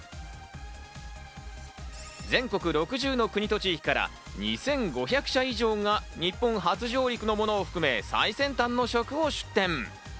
全国６０の国と地域から２５００社以上が日本初上陸のものを含め、最先端の食を出展。